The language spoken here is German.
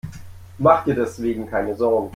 Mach dir deswegen keine Sorgen.